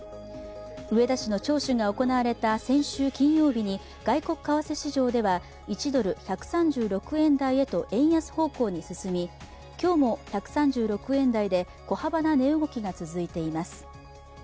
植田氏の聴取が行われた先週金曜日に外国為替市場では１ドル＝１３６円台へと円安方向に進み、今日も１３６円台で小幅な値動きが続いています。